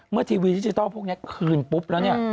เมื่อทีวีดิจิทัลพวกนี้คืนปุ๊บแล้ว